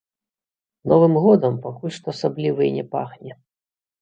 Новым годам пакуль што асабліва і не пахне.